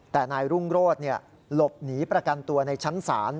แต่นายรุ่งโรธหลบหนีประกันตัวในชั้นศาล